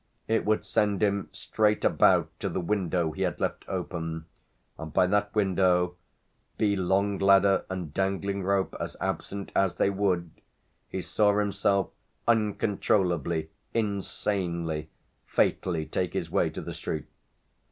It would send him straight about to the window he had left open, and by that window, be long ladder and dangling rope as absent as they would, he saw himself uncontrollably insanely fatally take his way to the street.